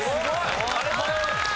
ありがとうございます！